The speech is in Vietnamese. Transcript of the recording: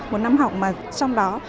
một năm học mà trong đó